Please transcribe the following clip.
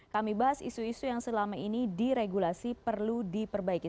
kami bahas isu isu yang selama ini diregulasi perlu diperbaiki